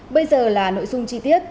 bây giờ là nội dung chi tiết